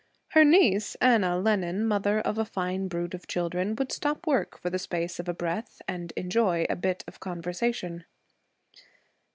Her niece, Anna Lennan, mother of a fine brood of children, would stop work for the space of a breath and enjoy a bit of conversation.